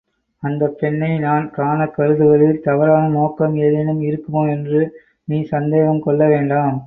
அந்தப் பெண்ணை நான் காணக் கருதுவதில் தவறான நோக்கம் ஏதேனும் இருக்குமோ என்று நீ சந்தேகம் கொள்ள வேண்டாம்.